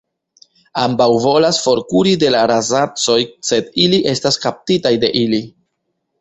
Ambaŭ volas forkuri de la Ra'zac-oj, sed ili estas kaptitaj de ili.